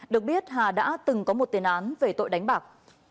được biết hà đã từng có một tiền án về tội đánh bạc